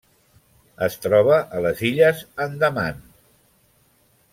Es troba a les Illes Andaman.